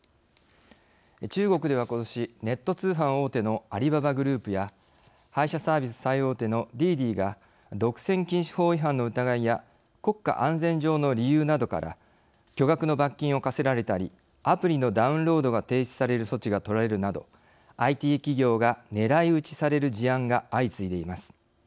中国では、ことしネット通販大手のアリババグループや配車サービス最大手のディディが独占禁止法違反の疑いや国家安全上の理由などから巨額の罰金を科せられたりアプリのダウンロードが停止される措置がとられるなどＩＴ企業が狙い撃ちされる事案が相次いでいます。